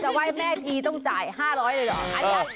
ไหว้แม่ทีต้องจ่าย๕๐๐เลยเหรอ